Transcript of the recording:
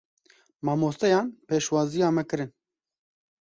Mamosteyan pêşwaziya me kirin.